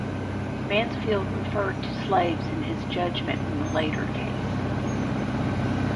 Mansfield referred to slaves in his judgment in a later case.